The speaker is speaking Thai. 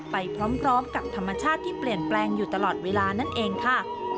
ไปพร้อมกับธรรมชาติที่เปลี่ยนแปลงอยู่ตลอดเวลานั่นเองค่ะ